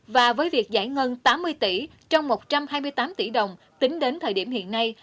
và với việc giải ngân tám mươi tỷ trong một trăm hai mươi tám tỷ đồng tính đến thời điểm hiện nay